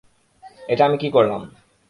এটা আমি কী করলাম?